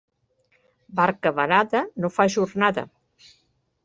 Barca varada no fa jornada.